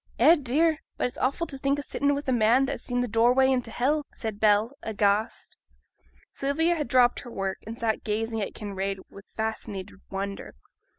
'Eh, dear! but it's awful t' think o' sitting wi' a man that has seen th' doorway into hell,' said Bell, aghast. Sylvia had dropped her work, and sat gazing at Kinraid with fascinated wonder.